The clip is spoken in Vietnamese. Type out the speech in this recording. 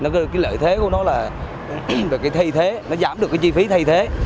nó cái lợi thế của nó là cái thay thế nó giảm được cái chi phí thay thế